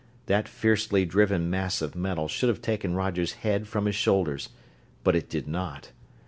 That fiercely driven mass of metal should have taken Roger's head from his shoulders, but it did not.